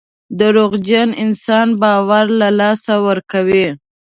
دروغجن انسان باور له لاسه ورکوي.